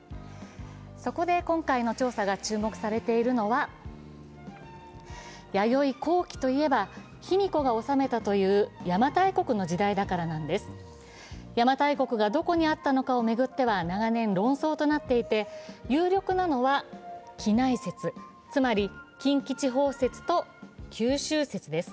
そこで今回の調査が注目されているのは、弥生後期と言えば、卑弥呼が治めたという、邪馬台国の時代だからなんです邪馬台国がどこにあったのかを巡っては長年、論争となっていて、有力なのは畿内説、つまり近畿地方説と九州説です。